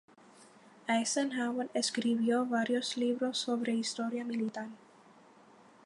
Eisenhower escribió varios libros sobre historia militar.